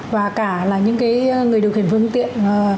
và cả là những người điều khiển phương tiện